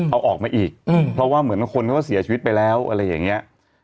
เอาออกมาอีกเพราะว่าเหมือนคนเขาก็เสียชีวิตไปแล้วอะไรอย่างนี้